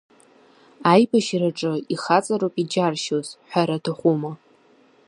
Аибашьраҿы ихаҵароуп иџьаршьоз, ҳәара аҭахума.